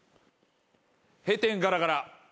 閉店ガラガラ。